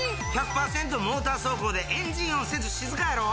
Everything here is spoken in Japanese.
モーター走行でエンジン音せず静かやろ？